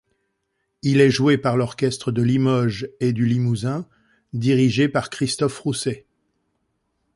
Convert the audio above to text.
Il est joué par l'Orchestre de Limoges et du Limousin dirigé par Christophe Rousset.